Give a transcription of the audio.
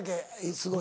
すごい。